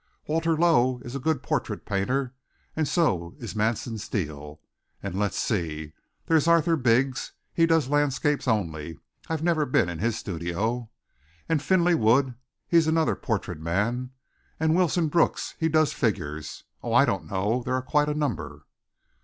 Walter Low is a good portrait painter, and so is Manson Steele. And let's see there's Arthur Biggs he does landscapes only; I've never been in his studio; and Finley Wood, he's another portrait man; and Wilson Brooks, he does figures Oh! I don't know, there are quite a number."